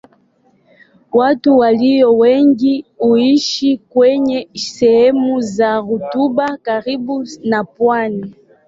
Watu walio wengi huishi kwenye sehemu za rutuba karibu na pwani.